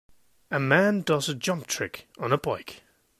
A man does a jump trick on a bike